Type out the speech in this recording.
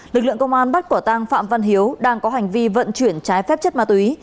lực lượng công an bắt quả tăng phạm văn hiếu đang có hành vi vận chuyển trái phép chất ma túy